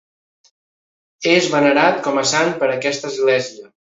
És venerat com a sant per aquesta església.